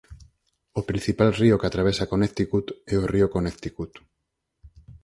O principal río que atravesa Connecticut é o Río Connecticut.